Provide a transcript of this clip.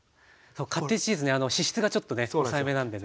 カッテージチーズね脂質がちょっとね抑えめなんでね。